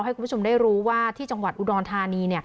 ให้คุณผู้ชมได้รู้ว่าที่จังหวัดอุดรธานี